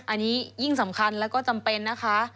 อันนี้ยิ่งสำคัญแล้วก็จำเป็นนะคะ